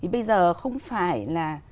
bây giờ không phải là